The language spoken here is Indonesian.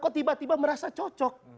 kok tiba tiba merasa cocok